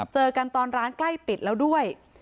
เจอกันตอนร้านใกล้ปิดแล้วด้วย